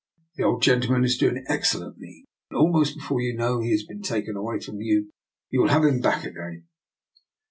The old gentleman is doing excellently, and almost before you know he has been taken away from you, you will have him back again."